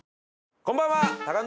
こんばんは！